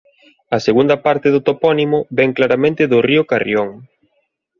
A segunda parte do topónimo ven claramente do río Carrión.